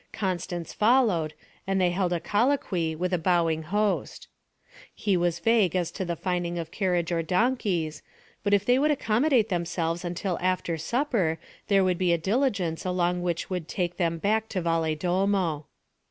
Constance followed, and they held a colloquy with a bowing host. He was vague as to the finding of carriage or donkeys, but if they would accommodate themselves until after supper there would be a diligence along which would take them back to Valedolmo.